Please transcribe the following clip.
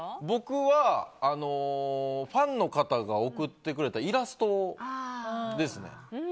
僕はファンの方が贈ってくれたイラストですね。